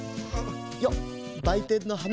よっばいてんのはな。